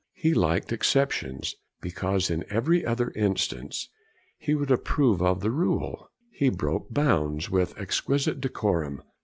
He liked exceptions, because, in every other instance, he would approve of the rule. He broke bounds with exquisite decorum.